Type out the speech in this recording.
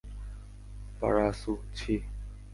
Parasu - ছিহ!